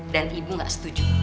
dan ibu gak setuju